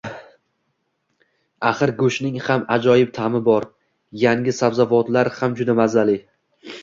Axir, go‘shtning ham ajoyib ta’mi bor, yangi sabzavotlar ham juda mazali